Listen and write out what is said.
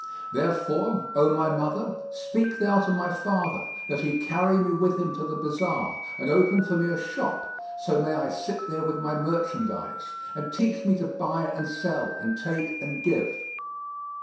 Therefore, O my mother, speak thou to my father, that he carry me with him to the bazar and open for me a shop; so may I sit there with my merchandise, and teach me to buy and sell and take and give."